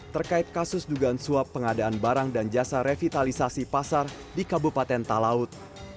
terkait kasus dugaan suap pengadaan barang dan jasa revitalisasi pasar di kabupaten talaut